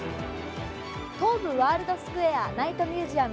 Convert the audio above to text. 東武ワールドスクウェアナイトミュージアム